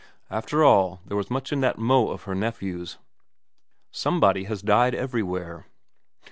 After all, there was much in that mot of her nephew's :* Somebody has died everywhere.'